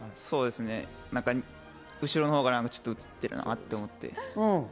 そうですね、後ろのほうが映っているなって思って。